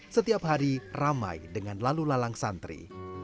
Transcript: setiap hari ramai dengan lalu lalang santri